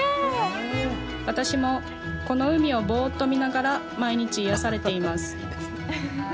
私もこの海をぼーっと見ながら、毎日癒やされています。